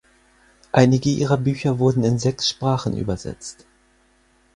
Einige ihrer Bücher wurden in sechs Sprachen übersetzt.